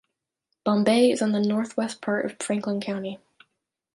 Bombay is in the northwest part of Franklin County.